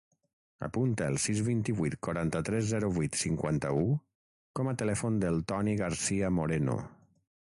Apunta el sis, vint-i-vuit, quaranta-tres, zero, vuit, cinquanta-u com a telèfon del Toni Garcia Moreno.